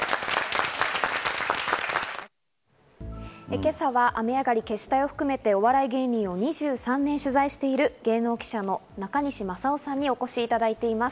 今朝は雨上がり決死隊を含めて、お笑い芸人を２３年取材している芸能記者の中西正男さんにお越しいただいています。